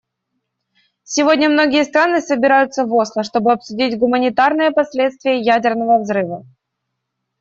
Сегодня многие страны собираются в Осло, чтобы обсудить гуманитарные последствия ядерного взрыва.